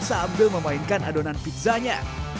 sambil memainkan adonan pizzanya